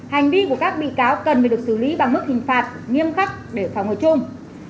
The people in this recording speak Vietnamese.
hành vi của các bị cáo cần phải được xử lý bằng mức hình phạt nghiêm khắc để phòng ở chung